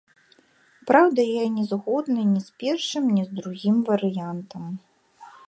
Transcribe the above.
Праўда, я не згодны ні з першым, ні з другім варыянтам.